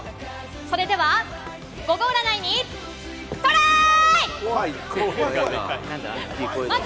それではゴゴ占いにトライ！